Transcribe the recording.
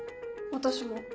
私も。